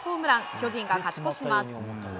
巨人が勝ち越します。